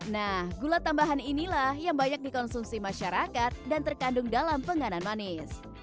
nah gula tambahan inilah yang banyak dikonsumsi masyarakat dan terkandung dalam penganan manis